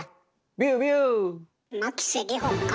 牧瀬里穂か？